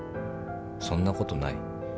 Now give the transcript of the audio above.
「そんなことない。